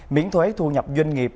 miễn thuế thu nhập doanh nghiệp